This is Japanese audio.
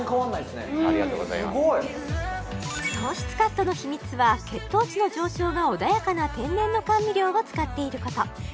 すごい糖質カットの秘密は血糖値の上昇が穏やかな天然の甘味料を使っていること